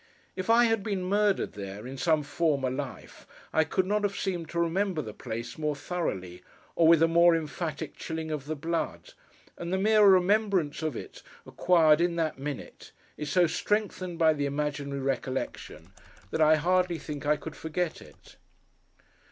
If I had been murdered there, in some former life, I could not have seemed to remember the place more thoroughly, or with a more emphatic chilling of the blood; and the mere remembrance of it acquired in that minute, is so strengthened by the imaginary recollection, that I hardly think I could forget it.